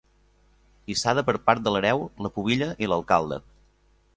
Hissada per part de l'hereu, la pubilla i l'alcalde.